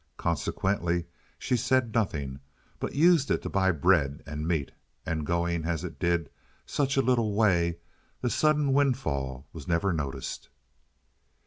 Consequently she said nothing, but used it to buy bread and meat, and going as it did such a little way, the sudden windfall was never noticed.